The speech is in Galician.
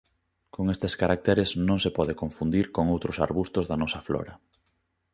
Con estes caracteres non se pode confundir con outros arbustos da nosa flora.